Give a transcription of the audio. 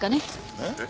えっ？